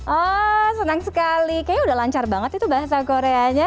oh senang sekali kayaknya udah lancar banget itu bahasa koreanya